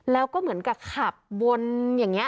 แล้วก็เหมือนกับขับวนอย่างนี้